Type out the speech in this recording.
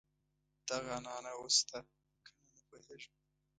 دغه عنعنه اوس شته کنه نه پوهېږم.